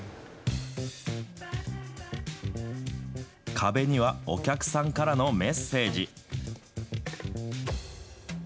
壁にはお客さんからのメッセージ。